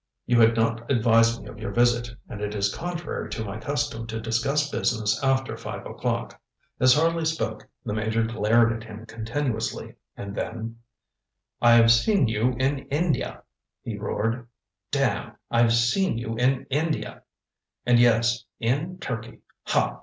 You had not advised me of your visit, and it is contrary to my custom to discuss business after five o'clock. ŌĆØ As Harley spoke the Major glared at him continuously, and then: ŌĆ£I've seen you in India! ŌĆØ he roared; ŌĆ£damme! I've seen you in India! and, yes! in Turkey! Ha!